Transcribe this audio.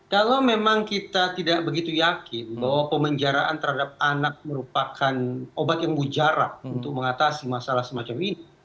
kalau memang kita tidak begitu yakin bahwa pemenjaraan terhadap anak merupakan obat yang bujarak untuk mengatasi masalah semacam ini